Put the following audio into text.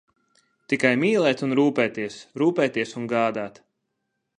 Tikai mīlēt un rūpēties, rūpēties un gādāt.